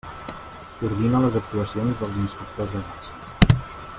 Coordina les actuacions dels inspectors de raça.